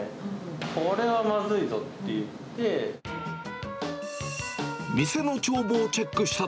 これはまずいぞって言って。